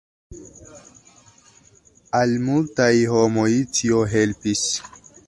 Al multaj homoj tio helpis.